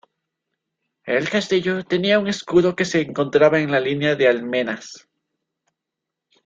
El castillo tenía un escudo que se encontraba en la línea de almenas.